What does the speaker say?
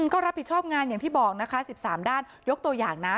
ก็รับผิดชอบงานอย่างที่บอกนะคะ๑๓ด้านยกตัวอย่างนะ